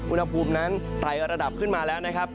อุณหภูมินั้นไตระดับขึ้นมาแล้วนะครับ